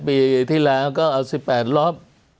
ปีที่แล้วก็เอา๑๘รอบ